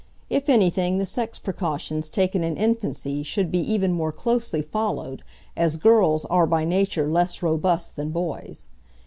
If anything the sex precautions taken in infancy should be even more closely followed, as girls are by nature less robust than boys.